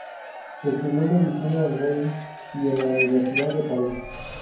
Estudió medicina en Reims y en la Universidad de París.